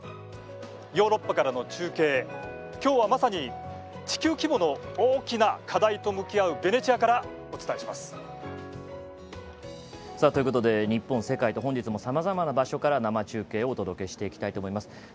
ヨーロッパからの中継きょうはまさに地球規模の大きな課題と向き合うベネチアからお伝えします。ということで日本、世界と本日もさまざまな場所から生中継をお届けしていきたいと思います。